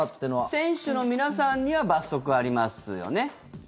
選手の皆さんには罰則、ありますよね。